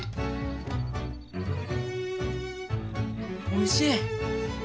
おいしい。